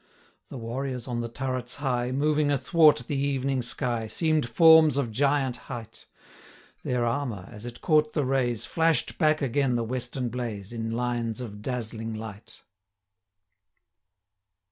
The warriors on the turrets high, Moving athwart the evening sky, Seem'd forms of giant height: 10 Their armour, as it caught the rays, Flash'd back again the western blaze, In lines of dazzling light.